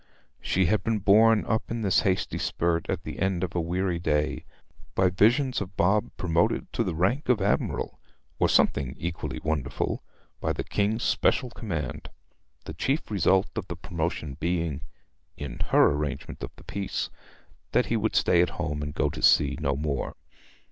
She had been borne up in this hasty spurt at the end of a weary day by visions of Bob promoted to the rank of admiral, or something equally wonderful, by the King's special command, the chief result of the promotion being, in her arrangement of the piece, that he would stay at home and go to sea no more.